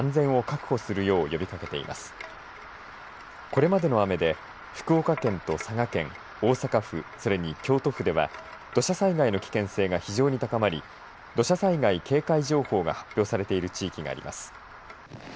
これまでの雨で福岡県と佐賀県大阪府、それに京都府では土砂災害の危険性が非常に高まり土砂災害警戒情報が発表されている地域があります。